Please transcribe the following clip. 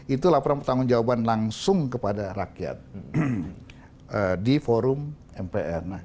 itu laporan bertanggung jawaban langsung kepada mpr